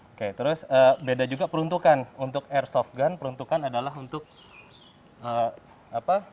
oke terus beda juga peruntukan untuk airsoft gun peruntukan adalah untuk apa